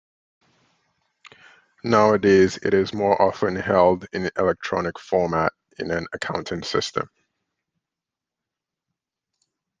Nowadays it is more often held in electronic format in an accounting system.